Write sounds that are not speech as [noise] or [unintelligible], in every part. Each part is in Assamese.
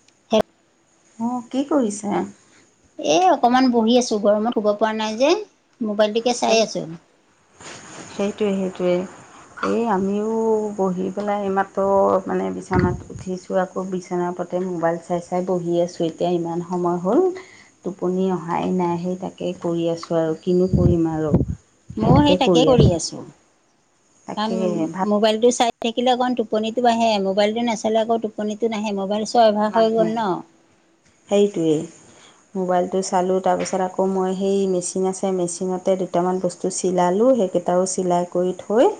[unintelligible] অ', কি কৰিছে। এ অকমান বহি আছো গৰমত শুব পৰা নাই যে, মোবাইলটো সেই, সেইটোৱে-সেইটোৱে। এই আমিও বহি পেলাই এইমাত্ৰ মানে বিছনাত উঠিছ চো আকৌ বিচনা ওপতে মোবাইল চাই-চাই বহি আছোঁ, এতিয়া ইমান সময় হ'ল। টোপনি অহাই নাই, সেই তাকে কৰি আছো আৰু কিনো কৰিম আৰু। মইও সেই তাকে কৰি আছো, কাৰণ তাকে ভাত মোবাইলটো চাই থাকিলে অকণ টোপনিতো আহে মোবাইলটো নাচালে আকৌ টোপনিটো নাহে, মোবাইল চোৱা অভ্যাস হৈ নাহে, গ'ল ন সেইটোৱেই। মোবাইলটো চালোঁ তাৰপিছত আকৌ মই সেই মেচিন আছে মেচিনতে দুটামান বচ টো চিলালোঁ, সেইকেইটাও চিলাই কৰি থৈ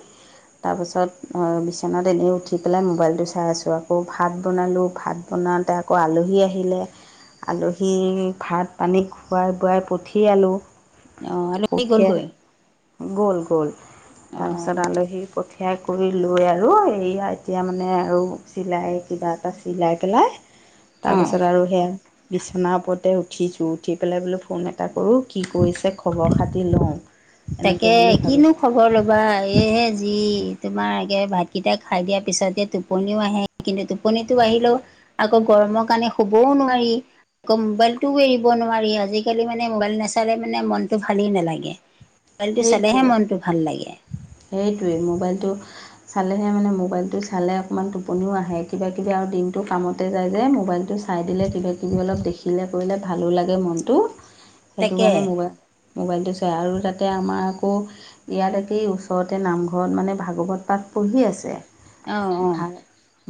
তাৰপাছত মই বিচনাত এনেই উঠি পেলাই মোবাইলটো চাই আছোঁ, আকৌ ভাত বনালোঁ ভাত বনাওতে আকৌ আলহী আহিলে আলহীক ভাত পানী খোৱাই বোৱাই পঠিয়ালোঁ। অ আলহী পঠিয়াই, গ'লগৈ গ'ল-গ'ল, অ তাৰপিছত আলহীক পঠিয়াই কৰি লৈ আৰু এইয়া এতিয়া মানে আৰু চিলাই কিবা এটা চিলাই পেলাই অ তাৰপিছত আৰু সেয়া। বিছনাৰ ওপৰতে উঠিছো, উঠি পেলাই বোলো ফোন এটা কৰো, কি কৰিছে খবৰ খাতি লওঁ। এনেকৈ তাকে বুলি কিনো ভাবিছোঁ খ বৰ ল'বা, এইহে যি তোমাৰ আগে ভাতকেইটা খাই দিয়াৰ পিছতে টোপনিও আহে কিন্তু টোপনিতো আহিলেও আকৌ গৰমৰ কাৰণে শুবও নোৱাৰি। আকৌ মোবাইলটোও এৰিব নোৱাৰি, আজিকালি মানে মোবাইল নাচালে মানে মনটো ভালেই নালাগে। মোবাইলটো চালেহে সেইটোৱে মনটো ভাল লাগে। সেইটোৱেই মোবাইলটো চালেহে মানে মোবাইলটো চালে অকণমান টোপনিও আহে, কিবা কিবি আৰু দিনটো কামতে যায় যে মোবাইলটো চাই দিলে কিবাকিবি অলপ দেখিলে কৰিলে ভালো লাগে মনটো। সেইটো তাকে কাৰণে মোবা মোবাইলটো চাই আৰু তাতে আমাৰ আকৌ ইয়াত একেই ওচ ওচৰতে নামঘৰত মানে ভাগৱত পাঠ পঢ়ি আছে, অঁ অঁ ভা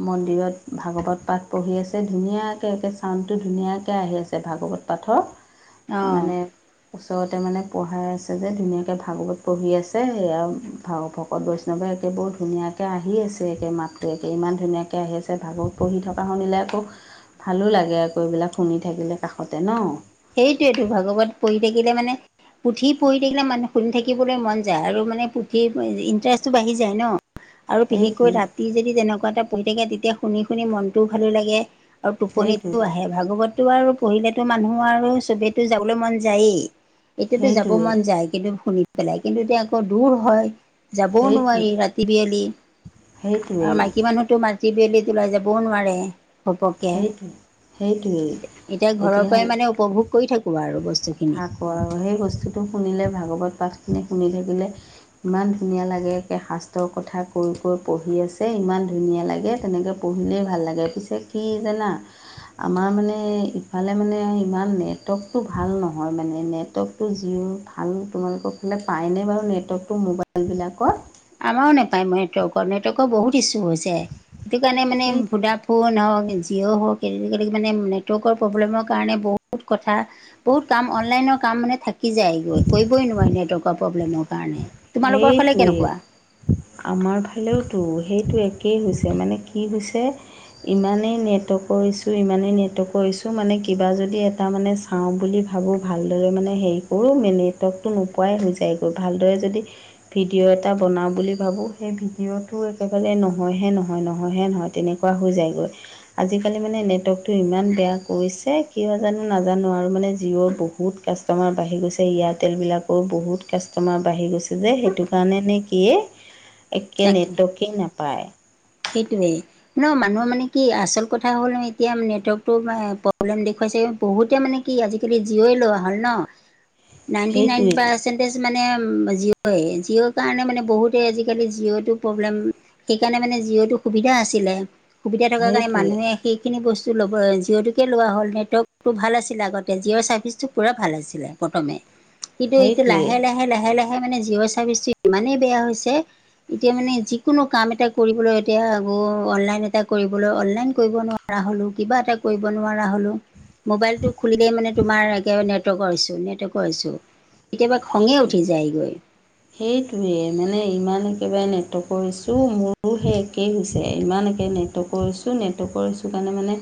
মন্দিৰত ভাগৱত পাঠ পঢ়ি আছে, ধুনীয়াকে একে চাউণ্ডটো ধুনীয়াকে আহি আছে ভাগৱত পাঠৰ, অঁ মানে ওচৰতে মানে পঢ়াই আছে যে, ধুনীয়াকে ভাগৱত পঢ়ি আছে এই আৰু ভা ভকত বৈষ্ণৱে একে বৰু ধুনীয়াকে আহি আছে একে মাতটো একে, ইমান ধুনীয়াকে আহি আছে ভাগৱত পঢ়ি থকা শুনিলে আকৌ ভালো লাগে আকৌ এইবিলাক শুনি থাকিলে কাষতে ন। সেইটোৱেতো, ভাগৱত পঢ়ি থাকিলে মানে পুথি পঢ়ি থাকিলে মানুহ শুনি থাকিবলৈ মন যায় আৰু মানে পুথি ই ইণ্টাৰেষ্টটো বাঢ়ি যায় ন। আৰু বিশেষকৈ সেইটোৱে ৰাতি যদি তেনেকুৱা এটা পঢ়ি থাকে, তেতিয়া শুনি- শুনি মনটোও ভালেই লাগে। আৰু সেইটোৱে টোপনিটো আহে, ভাগৱতটো আৰু পঢ়িলেতো মানুহ আৰু চবেতো যাবলে মন যায়েই, এতিয়াতো যাব মন যায়, কিন্তু শুনি পেলাই, কিন্তু এতিয়া আকৌ দূৰ হয়, যাবও সেইটোৱে নোৱাৰি ৰাতি বিয়লি। সেইটোৱে আৰু সেইটোৱে মাইকী মানুহতো মাতি বিয়লিত ওলাই যাবও নোৱাৰে। ঘপককে, সেইটো সেইটোৱেই এতিয়া ঘৰৰ পৰাই মানে উপভোগ কৰি থাকোঁ আৰু বস্তুখিনি। আকৌ আৰু সেই বস্তুটো শুনিলে, ভাগৱত পাঠখিনি শুনি থাকিলে ইমান ধুনীয়া লাগে, একে শাস্ত্ৰৰ কথা কৈ- কৈ পঢ়ি আছে, ইমান ধুনীয়া লাগে তেনেকে পঢ়িলেই ভাল লাগে, পিছে কি জানা। আমাৰ মানে ইফালে মানে ইমান নেটৱৰ্কটো ভাল ন নহয় মানে, নেটৱৰ্কটো জিঅ' ভাল, তোমালোকৰ ফালে পায়নে বাৰু নেটৱৰ্কটো মোবাইলবিলাকত। আমাৰো নোপায় নেটৱৰ্কৰ- নেটৱৰ্কৰ বহুত ইচ্যু হৈছে, সেইটো কাৰণে মানে সেই ভোদা ফোন হওঁক জিঅ' হওঁক [unintelligible] মানে নেটৱৰ্কৰ প্ৰব্লেমৰ কাৰণে বহুত কথা বহুত কাম অনলাইনৰ কাম মানে থাকি যায় গৈ, কৰিবই নোৱাৰি নেটৱৰ্কৰ প্ৰব্লেমৰ কাৰণে। তোমালোকৰ ফালে সেইটোৱেই কেনেকুৱা। আমাৰ ফালেওতো সেইটো একেই হৈছে মানে কি হৈছে ইমানেই নেটৱৰ্কৰ ইচ্যু- ইমানেই নেটৱৰ্কৰ ইচ্যু, মানে কিবা যদি এটা মানে খাওঁ বুলি ভাবোঁ ভালদৰে মানে হেৰি কৰোঁ, নেটৱৰ্কটো নোপোৱাই হৈ যায়গৈ, ভালদৰে যদি ভিডিঅ' এটা বনাও বুলি ভাবো, সেই ভিডিঅ'টো একেবাৰে নহয়হে নহয়- নহয়হে নহয়, তেনে কোৱা হয় যায়গৈ। আজিকালি মানে নেটৱৰ্কটো ইমান বেয়া কৰিছে, কিয় জানো নাজানো আৰু মানে জিঅ'ৰ বহুত কাষ্ট কাষ্টমাৰ বাঢ়ি গৈছে, এয়াৰটেল বিলাকো বহুত কাষ্টমাৰ বাঢ়ি গৈছ যে সেইটো কাৰণে নে কি এ, একে নেটৱৰ্কেই নাপায়। সেইটোৱে। ন মানুহৰ মানে কি আচল কথা হ'ল মানে এতিয়া নেটৱৰ্কটো প্ৰব্লেম দেখুৱাইছে বহুতেই মানে কি আজিকালি জিঅ'ই লোৱা হ'ল ন। [inaudible] নাইণ্টি নাইন সেইটোৱেই পাৰ্চেন্ট টেষ্ট মানে জিঅ'য়ে, জিঅ'ৰ কাৰণে মানে বহুতেই আজিকালি জিঅ'টো প্ৰব্লেম সেইকাৰণে মানে জিঅ'টো সুবিধা আছিলে, সুবিধা থকাৰ কাৰণে সেইটোৱে মানুহে সেইখিনি বস্তু ল'ব জিঅ'টোকে লোৱা হ'ল নেটৱৰ্কটো ভাল আছিলে আগতে, জিঅ'ৰ চাৰ্ভিচটো পোৰা ভাল আছিলে। প্ৰথমে, কিন্তু এইটো সেইটোৱে লাহে লাহে- লাহে-লাহে মানে জিঅ' চাৰ্ভিছটো ইমানেই বেয়া হৈছে, এতিয়া মানে যিকোনো কাম এটা কৰিবলৈ এতিয়া আকৌ অনলাইন এটা কৰিবলৈ অনলাইন কৰিব নোৱাৰা হ'লোঁ, কিবা এটা কৰিব নোৱাৰা হ'লোঁ। মোবাইলটো খুলিলেই মানে তোমাৰ একে নেটৱৰ্কৰ ইচ্যু-নেটৱৰ্কৰ ইচ্যু। কেতিয়াবা খঙে সেইটো উঠি যায়গৈ। সেইটোৱে, মানে ইমান একেবাৰে নেটৱৰ্কৰ ইচ্যু, মোৰো সেই একেই হৈছে, ইমান একে নেটৱৰ্কৰ ইচ্যু নেটৱৰ্কৰ ইচ্যুৰ কাৰণে মানে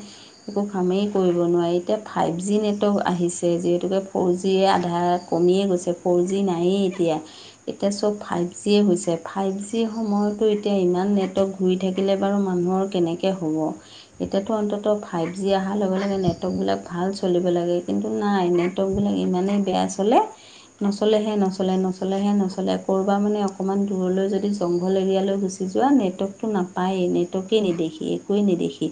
একো কামেই কৰিব নোৱাৰি, এতিয়া ফাইভ জি নেটৱৰ্ক আহিছে, যিহেতুকে ফ'ৰ জিয়ে আধাৰ কমিয়ে গৈছে, ফ'ৰ জি নায়েই এতিয়া। এতিয়া চব ফাইভ জিয়ে হৈছে, ফাইভ জিৰ সময়তো এতিয়া ইমান নেটৱৰ্ক শুই থাকিলে বাৰু মানুহৰ কেনেকে হ'ব। এতিয়াতো অন্তত ফাইভ জি অহাৰ লগে- লগে নেটৱৰ্কবিলাক ভাল চলিব লাগে, কিন্তু নাই নে টৱৰ্ক বিলাক ইমানেই বেয়া চলে নচলেহে নচলে- নচলেহে নচলে, ক'ৰবাত মানে অকণমান দূৰলৈ যদি জংঘল এৰিয়ালৈ গুচি যোৱা নেটৱৰ্কতটো নাপায়েই, নেটৱৰ্কে নেদেখি একোৱেই নেদেখি।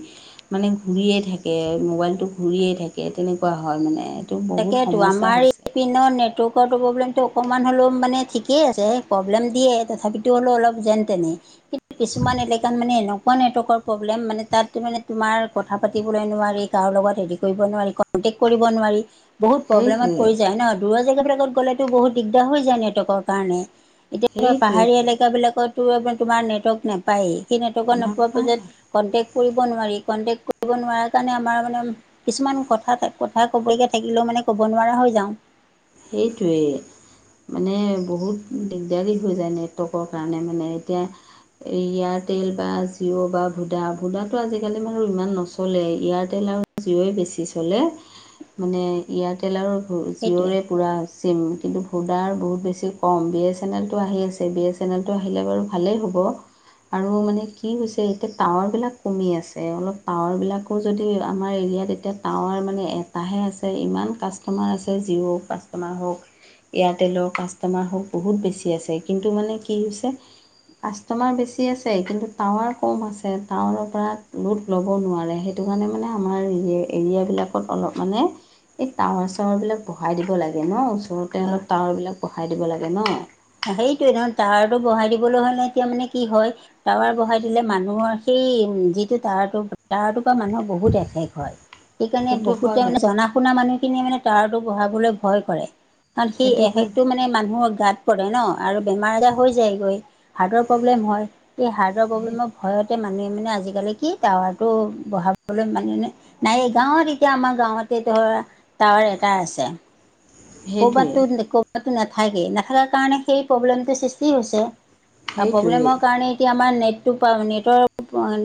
মানে ঘূৰিয়ে থাকে, মোবাইলটো ঘূৰিয়েই থাকে তেনেকুৱা হয় মানে। বহুত তাকেতো সমস্যা আমাৰ এই হৈছে পিনৰ নেটৱৰ্কৰটো প্ৰব্লেমটো অকণমান হ'লেও মানে ঠিকেই আছে, প্ৰব্লেম দিয়ে তথাপিতো হ'লও অলপ যেন তেনে কিন্তু কিছুমান এলেকাত মানে এনেকোৱা নেটৱৰ্কৰ প্ৰব্লেম মানে তাত মানে তোমাৰ কথা পাতিবলৈ নোৱাৰি, কাৰো লগত হেৰি কৰিব নোৱাৰি। [inaudible] কৰিব নোৱাৰি। বহুত প্ৰব্লেমত সেইটোৱে পৰি যায় ন? দূৰ জেগাবিলাকত গ'লেতো বহুত দিগদাৰ হৈ যায় নেটৱৰ্কৰ কাৰণে। এতিয়া ধৰা পাহাৰীয়া সেইটোৱেইতো এলেকা বিলাকতো তোমাৰ নেটৱৰ্ক নাপায়েই, সেই নেটৱৰ্কৰ নপোৱাৰ নাপায় পিছত কনটেক্ কৰিব নোৱাৰি। কনটেক কৰিব নোৱাৰা কাৰণে আমাৰ মানে কিছুমান কথা-কথা কবলগীয়া থাকিলেও মানে ক'ব নোৱাৰা হৈ যাওঁ। সেইটোৱেই। মানে বহুত দিগদাৰী হৈ যায় নেটৱৰ্কৰ কাৰণে মানে এতিয়া এই এয়াৰটেল বা জিঅ' বা ভুডা--ভুডাটো আজিকালি মানুহ ইমান নচলে, এয়াৰটেল আৰু জিঅ'ই বেছি চলে মানে এয়াৰটেল আৰু জিঅ'ৰে সেইটোৱে পুৰা চিম কিন্তু ভুডাৰ বহুত বেছি কম। বি এছ এন এল টো আহি আছে, বি এছ চেনেলটো আহিলে বাৰু ভালেই হ'ব। আৰু মানে কি হৈছে এতিয়া টাৱাৰবিলাক কমি আছে, অলপ টাৱাৰবিলাক আকৌ যদি আমাৰ এৰিয়াত এতিয়া টাৱাৰ মানে এটাহে আছে, ইমান কাষ্টমাৰ আছে জিঅ'ৰ পৰা আমাৰ হওঁক, এয়াৰটেলৰ কাষ্টমাৰ হওঁক, বহুত বেছি আছে কিন্তু মানে কি হৈছে কাষ্টমাৰ বেছি আছে কিন্তু টাৱাৰ কম আছে। টাৱাৰৰ পৰা লোড ল'ব নোৱাৰে সেইটো কাৰণে মানে আমাৰ এৰিয়াবিলাকত অলপ মানে এই টাৱাৰ চাৱাৰ বিলাক বঢ়াই দিব লাগে ন, ওচৰতে অলপ টাৱাৰ বিলাক বঢ়াই দিব লাগে ন? সেইটোয়ে ধৰ টাৱাৰটো বঢ়াই দিবলৈ হলে এতিয়া মানে কি হয় টাৱাৰ বঢ়াই দিলে মানুহৰ সেই উম, যিটো টাৱাৰটো টাৱাৰটোৰ পৰা লোকৰ মানুহৰ বহুত এফেক্ট হয়। সেইকাৰণে সেইটো বহুতে হয় মানে বাৰু জানা শুনা মানুহখিনি মানে টাৱাৰটো বঢ়াবলৈ ভয় কৰে, কাৰণ সেই সেইটো হয় এফেক্টটো মানে মানুহৰ গাত কৰে ন আৰু বেমাৰ আজাৰ হৈ যায় গৈ, হাৰ্টৰ প্ৰব্লেম হয়। এই হাৰ্টৰ সেইটোৱে প্ৰব্লেমত ভয়তে মানুহে মানে আজিকালি কি টাৱাৰটো বঢ়াবলৈ মানে নাই গাঁৱত এতিয়া আমাৰ গাঁৱতে ধৰা টাৱাৰ এটা আছে। কৰবাতটো-কৰবাতটো নাথাকেই, নথকাৰ কাৰণে সেই প্ৰব্লেমটো সৃষ্টি হৈছে। অ', সেইটোৱে প্ৰব্লেমৰ কাৰণে এতিয়া আমাৰ নেটটো পা নেটৰ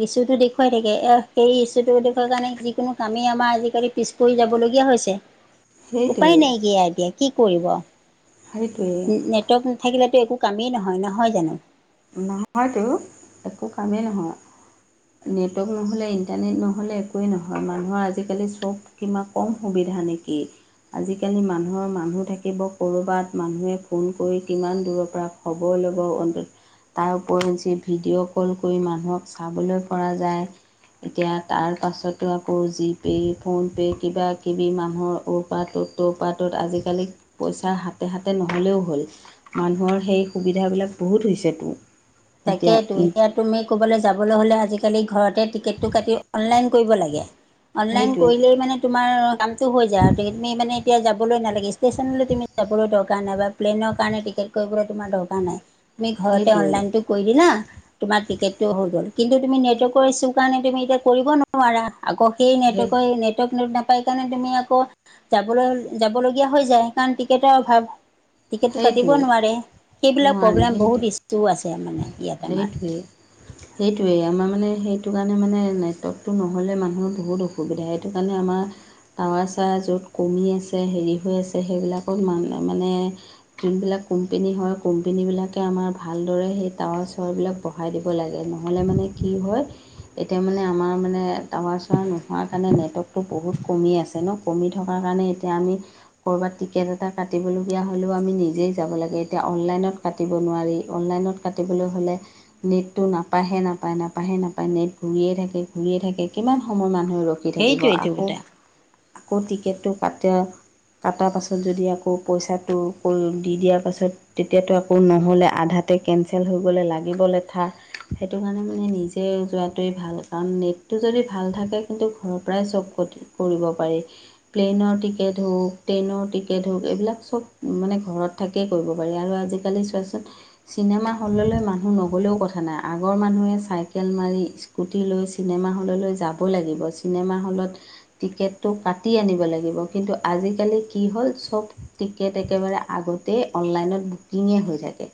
ইছ্যুটো দেখুৱাই থাকে, সেই ইছ্যুটো দেখুৱৱাৰ কাৰণে যিকোনো আমি আমাৰ আজিকালি পিছ পৰি যাবলগীয়া হৈছে, সেইটোৱে সেইটোৱে উপায় নাইকিয়া এতিয়া কি কৰিব? সেইটোৱেই। নেটৱৰ্ক নাথাকিলেতো একো কামেই নহয়, নহয় জানো? নহয়তো, একো কামেই নহয়। নেটৱৰ্ক নহ'লে ইণ্টাৰনেট নহ'লে একোৱেই নহয়, মানুহৰ আজিকালি চব কিবা কম সুবিধা নেকি? আজিকালি মানুহৰ মানুহ থাকিব ক'ৰবাত, মানুহে ফোন কৰি কিমান দূৰৰ পৰা খবৰ ল'ব অন্তত তাৰ উপৰি যি ভিডিঅ' কল কৰি মানুহক চাবলৈ পৰা যায়। এতিয়া তাৰ পাছতো আকৌ জিপে', ফোনপে' কিবাকিবি মানুহৰ অৰ্পা ত'ত তৰ্পা ত'ত, আজিকালি পইচা হাতে-হাতে নহ'লেও হ'ল। মানুহৰ সেই সুবিধাবিলাক বহুত হৈছেতো। এতিয়া তাকেইতো এতিয়া তুমি কবালৈ যাবলৈ হ'লে আজিকালি ঘৰতে টিকেটটো কাটি অনলাইন কৰিব লাগে। অনলাইন সেইটোৱেই কৰিলেই মানে তোমাৰ কামতটো হৈ যায় আৰু তেতিয়া তুমি মানে এতিয়া যাবলৈ নালাগে, ষ্টেচনলৈ তুমি যাবলৈ দৰকাৰ নাই বা প্লেইনৰ কাৰণে টিকেট কৰিবলৈ তোমাৰ দৰকাৰ নাই, তুমি ঘৰতে সেইটোৱেই অনলাইনতটো কৰি দিলা তোমাৰ টিকেটটো হৈ গ'ল। কিন্তু তুমি নেটৱৰ্কৰ ইছো কাৰণে তুমি এতিয়া কৰিব নোৱাৰা, আকৌ সেই নেটৱৰ্কৰ-নেটৱৰ্ক [unintelligible] পাই কাৰণে তুমি আকৌ যাবলৈ যাবলগীয়া হৈ যায়, সেইকাৰণে টিকেটৰ অভাৱ। টিকেট কাটিব সেইটোৱেই নোৱাৰে, সেইবিলাক নোৱাৰি প্ৰব্লেম বহুত ইছ্যু আছে। মানে ইয়াত আমাৰ সেইটোৱে। সেইটোৱেই আমাৰ মানে সেইটো কাৰণে মানে নেটৱৰ্কটো নহ'লে মানুহৰ বহুত অসুবিধা, সেইটো কাৰণে আমাৰ টাৱাৰ চাৱাৰ য'ত কমি আছে হেৰি হৈ আছে সেইবিলাকত মান মানে যোনবিলাক কোম্পেনী হয়, কোম্পেনীবিলাকে আমাৰ ভালদৰে সেই টাৱাৰ চাৱাৰবিলাক ব বহাই দিব লাগে, নহ'লে মানে কি হয় এতিয়া মানে আমাৰ মানে টাৱাৰ চাৱাৰ নোহোৱাৰ কাৰণে নেটৱৰ্কটো বহুত কমি আছে ন? কমি থকাৰ কাৰণে এতিয়া আমি ক'ৰবাত টিকেট এটা কাটিবলগীয়া হ'লো আমি নিজেই যাব লাগে। এতিয়া অনলাইনত কাটিব নোৱাৰি, অনলাইনত কাটিবলৈ হ'লে নেটটো নাপায়হে নাপায়-নাপায়াহে নাপায়। নেট ঘূৰিয়ে থাকে-ঘূৰিয়ে থাকে কিমান সময় মানুহে ৰখ খি থাকিব সেইটোৱেইটো আকৌ এটা আকৌ টিকেটটো কাতে, কাটাৰ পাছত যদি আকৌ পইচাটো দি দিয়াৰ পাছত তেতিয়াতো আকৌ নহ'লে আধাতে কেনঞ্চেল হৈ গ'লে লাগিব লেঠা। সেইটো কাৰণে মানে নিজে যোৱাটোৱেই ভাল কাৰণ নেটটো যদি ভাল থাকে কিন্তু ঘৰৰ পৰাই চব টি - কৰিব পাৰি। প্লেইনৰ টিকেট হওঁক, ট্ৰেইনৰ টিকেট হওঁক, এইবিলাক চব মানে ঘৰত থাকিয়ে কৰিব পাৰি আৰু আজিকালি চোৱা চোন চিনেমা হললৈ মানুহ নগ'লেও কথা নাই, আগৰ মানুহে চাইকেল মাৰি স্কুটি লৈ চিনেমা হললৈ যাব লাগিব, চিনেমা হলত টিকেটটো কাটি আনিব লাগিব। কিন্তু আজিকালি কি হ'ল, চব টি টিকেট একেবাৰে আগতেই অনলাইনত বুকিঙে হৈ থাকে।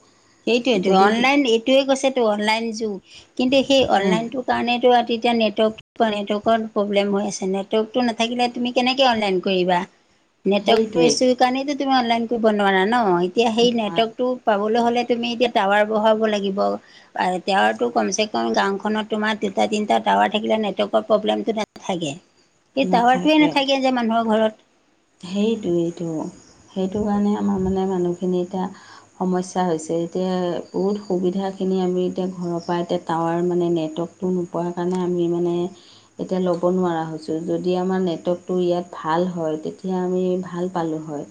সেইটোয়েতো যদি অনলাইন এইটোয়ে কৈছেতো অনলাইন যুগ, কিন্তু সেই অনলাইনটো কাৰণেতো অ', তেতিয়া নেটৱৰ্ক নেটৱৰ্কৰ প্ৰব্লেম হৈ আছে। নেটৱৰ্কটো নাথাকিলে তুমি কেনেকে অনলাইন কৰিবা? নেটৱৰ্কটো সেইটোৱেই ইছুৰ কাৰণটো তুমি অনলাইন কৰিব নোৱাৰা ন? এতিয়া সেই নেটৱৰ্কটো পাবলৈ হ'লে তুমি এতিয়া টাৱাৰ বহাব লাগিব। আৰু টাৱাৰতটো কমচে কম গাঁওখনত তোমাৰ দুটা তিনিটা টাৱাৰ থাকিলে নেটৱৰ্কৰ প্ৰব্লেমটো নাথাকে। [unintelligible] সেই টাৱাৰটোৱে নাথাকে যে মানুহৰ ঘৰত। সেইটোৱেইটো। সেইটো কাৰণে আমাৰ মানে মানুহখিনি এতিয়া সমস্যা হৈছে। এতিয়া বহুত সুবিধাখিনি আমি এতিয়া ঘৰৰ পৰা এতিয়া টাৱাৰ মানে নেটৱৰ্ক টো নোপোৱাৰ কাৰণে আমি মানে এতিয়া ল'ব নোৱাৰা হৈছোঁ। যদি আমাৰ নেটৱৰ্কটো ইয়াত ভাল হয়, তেতিয়া এতিয়া আমি ভাল পালোঁ হয়।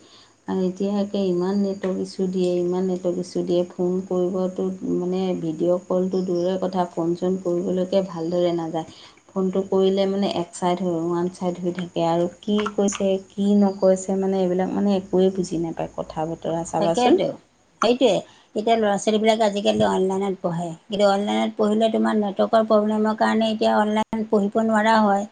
আৰু এতিয়া একে ইমান নেটৱৰ্ক ইছু দিয়ে ইমান নেটৱৰ্ক ইছু দিয়ে ফোন কৰিবটো মানে ভিডিঅ' কলটো দূৰৰে কথা ফোন চোন কৰিবলৈকে ভালদৰে নাযায়। ফোনটো কৰিলে মানে এক চাইড ওৱান ছাইড হৈ থাকে, আৰু কি কৈছে - কিনো কৈছে মানে এইবিলাক মানে একোৱেই বুজি নাপায়। কথা বতৰা আছে। তাকেটো, সেইটোৱেই। এতিয়া ল'ৰা ছোৱালীবিলাক আজিকালি অনলাইনত পঢ়ে, কিন্তু অনলাইনত পঢ়িলে তোমাৰ নেটৱৰ্ক প্ৰব্লেমৰ কাৰণে এতিয়া অনলাইন পঢ়িব নোৱাৰা হয়।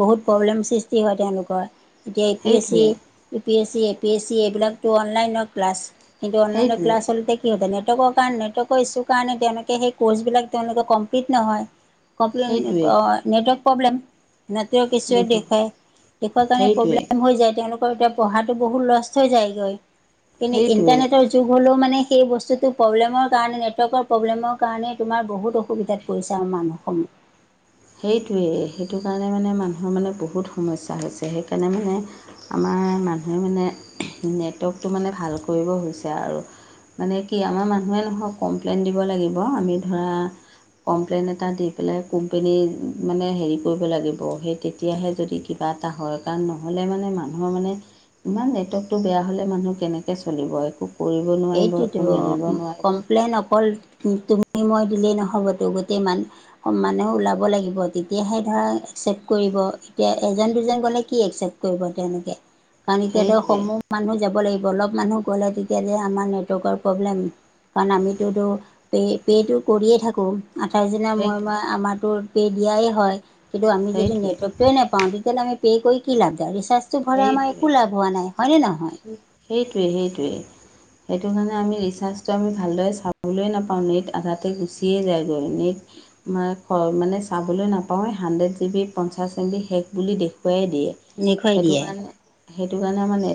বহুত প্ৰব্লেম সৃষ্টি হয় তেওঁলোকৰ। এতিয়া এ পি এছ চি সেইটোৱে U P S C A P S C এইবিলাকতো অনলাইনৰ ক্লাছ। কিন্তু অনলাইন সেইটোৱে ক্লাছ চলোতে কি নেটৱৰ্কৰ কাৰণে নেটৱৰ্কৰ ইছু কাৰণে তেওঁলোকে সেই ক'ৰ্চবিলাক তেওঁলোকে কমপ্লিট নহয়। কমপ্লেন সেইটোৱে অ, network problem. Network issue network দেখুৱাই, দেখুৱাৰ কাৰণে সেইটোৱে প্ৰব্লেম হৈ যায় তেওঁলোক [unintelligible] এতিয়া পঢ়াটো বহুত লষ্ট হৈ যায়গৈ, এনেই সেইটোৱে ইানটাৰনেটৰ যু- যুগ হ'লেও মানে সেই বস্তুটো প্ৰব্লেমৰ কাৰণে নেটৱৰ্কৰ প্ৰব্লেমৰ কাৰণে তোমাৰ বহুত অসুবিধা [unintelligible] মানুহ সমূহ। সেইটোৱেই, সেইটো কাৰণে মানে মানুহৰ মানে বহুত সমস্যা হৈছে। সেইকাৰণে মানে আমাৰ মানুহে মানে নেটৱৰ্কটো মানে ভাল কৰিব হৈছে আৰু। মানে কি আমাৰ মানুহে নহওঁক কমপ্লেইন দিব লাগিব, আমি ধৰা কম্প্লেন এটা দি পেলাই কম পেনি মানে হেৰি কৰিব লাগিব সেই তেতিয়াহে যদি কিবা এটা হয় কাৰণ নয় নহ'লে মানে মানুহৰ মানে ইমান নেটৱৰ্কটো বেয়া হ'লে মানুহ কেনেকৈ চলিব? একো কৰিব নোৱাৰিব এইটোতো একো মেলিব অ'। নোৱাৰিব কমপ্লেইন অকল তুমি মই দিলেই নহ'বতো, গোটেই মান মানে ওলাব লাগিব তেতিয়াহে ধৰা একচেপ্ট কৰিব এতিয়া এজন দুজন গ'লে কি একচেপ্ট কৰিব তেওঁলোকে, কাৰণ এতিয়াটো সেইটোৱেই সমূহ মানুহ যাব লাগিব অলপ মানুহ গ'লে তেতিয়া আমাৰ নেটৱৰ্কৰ প্ৰব্লেম, কাৰণ আমিতোতো পে-পে'টো কৰিয়ে থাকোঁ। আঠাইছ দিনৰ সেইটোৱেই মই-মই আমাৰতো পে' দিয়াই হয়, কিন্তু আমি যদি সেইটোৱেই নেটৱৰ্ সেইটেই নাপাওঁ তেতিয়াহলে আমি পে কৰি কি লাভ ডাল, ৰিচাৰ্জটো ভৰাই আমাৰ একো লাভ হোৱা নাই হয়নে নহয়? সেইটোৱে-সেইটোৱে। সেইটো কাৰণে আমি ৰিচাৰ্জটো আমি ভালদৰে চাবলৈ নাপাওঁ, নেট আধাতে গুচিয়ে যায়গৈ নেট ম-মানে চাবলৈ নাপাওঁৱে হাণ্ড্ৰেড জি বি পঞ্চাছ এম বি শেষ বুলি দেখুৱাইয়ে দিয়ে। দেখুৱাই সেইটো দিয়ে কাৰণে, সেইটো কাৰণে মানে